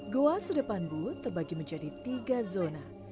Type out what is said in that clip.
goa sedepan bu terbagi menjadi tiga zona